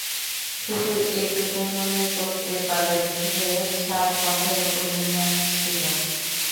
শুধু এটুকু মনে করতে পারেন যে, ছাদ মাথার ওপর নেমে আসছিল।